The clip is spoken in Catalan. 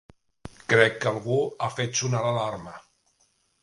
Crec que algú ha fet sonar l'alarma!